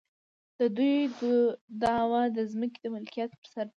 د دوی دعوه د ځمکې د ملکیت پر سر ده.